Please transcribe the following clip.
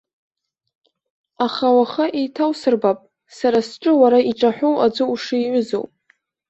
Аха уаха еиҭаусырбап, сара сҿы уара иҿаҳәоу аӡәы ушиҩызоу.